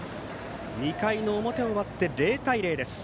２回の表終わって０対０です。